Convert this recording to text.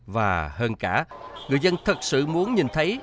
và hơn cả người dân thật sự muốn nhìn thấy